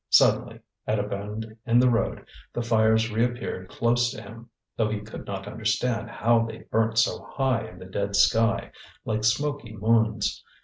Suddenly, at a bend in the road, the fires reappeared close to him, though he could not understand how they burnt so high in the dead sky, like smoky moons.